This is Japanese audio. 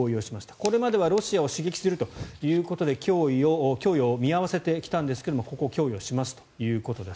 これまではロシアを刺激するということで供与を見合わせてきたんですがここ、供与しますということです。